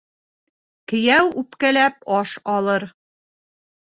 Кейәү үпкәләп аш алыр.